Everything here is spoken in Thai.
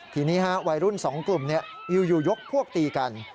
ทีนี้วัยรุ่น๒กลุ่มอยู่ยกพวกตีกัน